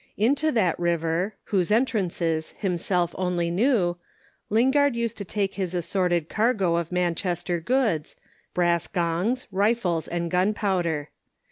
Into that river, whose entrances himself only knew, Lingard used to take his assorted cargo of Manchester goods, brass gongs, rifles and gunpowder.